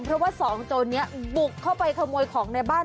เพราะว่าสองโจรนี้บุกเข้าไปขโมยของในบ้าน